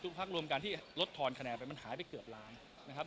พักรวมกันที่ลดทอนคะแนนไปมันหายไปเกือบล้านนะครับ